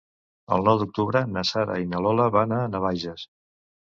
El nou d'octubre na Sara i na Lola van a Navaixes.